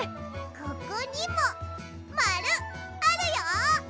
ここにもまるあるよ。